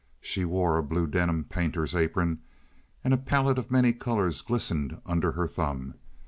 She wore a blue denim painter's apron, and a palette of many colors glistened under her thumb.